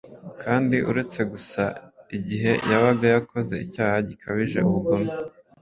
kandi uretse gusa igihe yabaga yakoze icyaha gikabije ubugome,